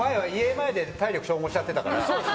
前で体力消耗しちゃってたから。